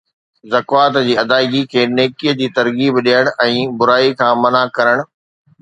زڪوات جي ادائگي کي نيڪي جي ترغيب ڏيڻ ۽ برائي کان منع ڪرڻ